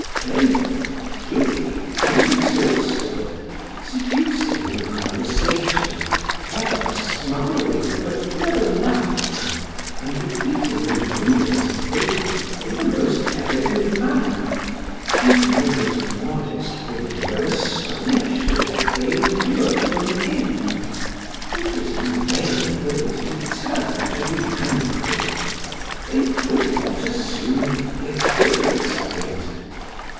Playful, giddy, inexhaustible, seducing in conversation, ever smiling, but never laughing, and repeating the rudest things in the most elegant manner even the most modest women were astonished at what they endured from him: it was in vain for them to determine to be angry; they could not assume the appearance of it.